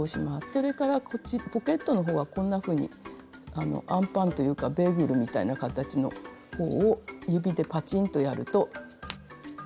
それからポケットの方はこんなふうにあのあんパンというかベーグルみたいな形の方を指でパチンとやるともうボタンがつくと思います。